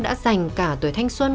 đã dành cả tuổi thanh xuân